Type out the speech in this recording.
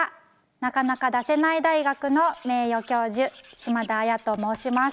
なかなか出せない大学の名誉教授しまだあやと申します。